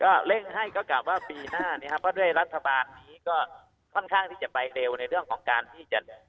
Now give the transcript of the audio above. ก็เร่งให้ก็กลับว่าปีหน้านี้ครับเพราะด้วยรัฐบาลนี้ก็ค่อนข้างที่จะไปเร็วในเรื่องของการที่จะ